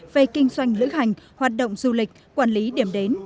về kinh doanh lữ hành hoạt động du lịch quản lý điểm đến